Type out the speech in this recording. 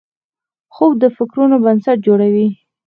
خوب د فکرونو بنسټ جوړوي